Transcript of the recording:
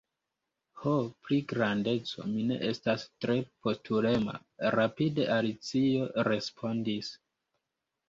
"Ho, pri grandeco, mi ne estas tre postulema," rapide Alicio respondis.